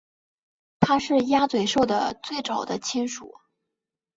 它是鸭嘴兽的最早的亲属。